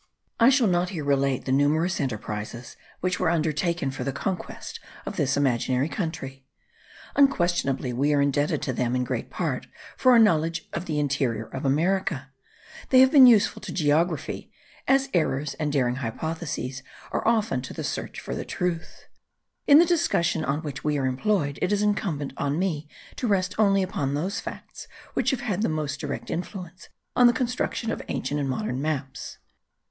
I shall not here relate the numerous enterprises which were undertaken for the conquest of this imaginary country. Unquestionably we are indebted to them in great part for our knowledge of the interior of America; they have been useful to geography, as errors and daring hypotheses are often to the search of truth: but in the discussion on which we are employed, it is incumbent on me to rest only upon those facts which have had the most direct influence on the construction of ancient and modern maps.